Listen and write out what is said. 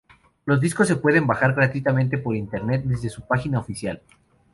Los discos se pueden bajar gratuitamente por internet, desde su página oficial.